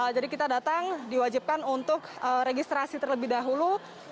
jadi kita datang diwajibkan untuk registrasi terlebih dahulu